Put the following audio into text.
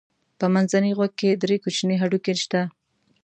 په منځني غوږ کې درې کوچني هډوکي شته.